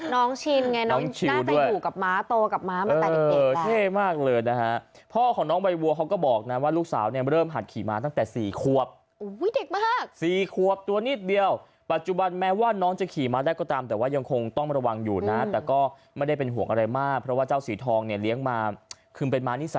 น้องชินไงน้องชินอยู่กับม้าโตกับม้ามาแต่เด็กเออเท่มากเลยนะฮะพ่อของน้องใบวัวเขาก็บอกนะว่าลูกสาวเนี่ยเริ่มหัดขี่ม้าตั้งแต่๔ควบเด็กมาก๔ควบตัวนิดเดียวปัจจุบันแม้ว่าน้องจะขี่ม้าได้ก็ตามแต่ว่ายังคงต้องระวังอยู่นะแต่ก็ไม่ได้เป็นห่วงอะไรมากเพราะว่าเจ้าสีทองเนี่ยเลี้ยงมาคือเป็นม